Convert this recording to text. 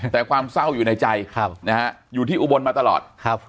แต่ความเศร้าอยู่ในใจอยู่ที่อุบลมาตลอด